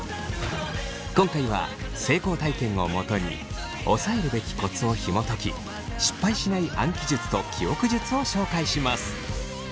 今回は成功体験をもとに押さえるべきコツをひもとき失敗しない暗記術と記憶術を紹介します。